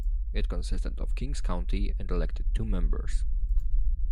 It consisted of King's County, and elected two members.